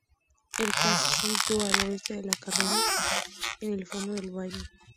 El castro se sitúa al oeste de la carretera, en el fondo del valle.